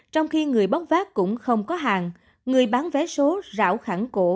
trong khi người bóc phát cũng không có hàng người bán vé số rảo khẳng cổ